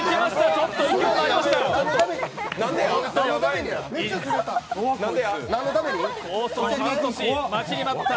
ちょっと勢いがありました。